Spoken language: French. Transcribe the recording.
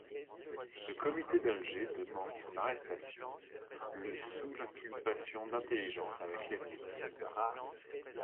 Le Comité d'Alger demande son arrestation le sous l'inculpation d'intelligence avec l'ennemi.